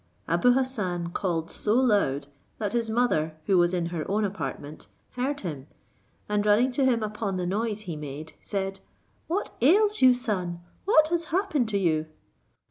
Abou Hassan called so loud, that his mother, who was in her own apartment, heard him, and running to him upon the noise he made, said "What ails you, son? what has happened to you?"